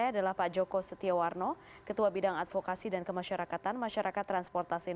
desi aritonang riki maulana cengkareng banten